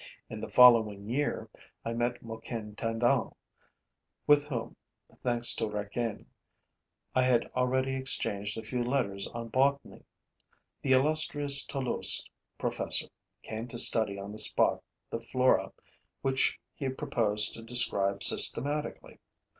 In the following year, I met Moquin Tandon, with whom, thanks to Requien, I had already exchanged a few letters on botany. The illustrious Toulouse professor came to study on the spot the flora which he proposed to describe systematically.